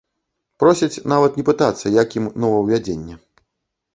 Просяць нават не пытацца, як ім новаўвядзенне.